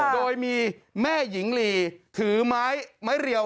โดยมีแม่หญิงลีถือไม้เรียว